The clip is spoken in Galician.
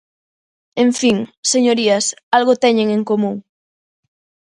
En fin, señorías, algo teñen en común.